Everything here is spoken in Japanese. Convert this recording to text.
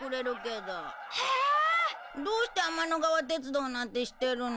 どうして天の川鉄道なんて知ってるの？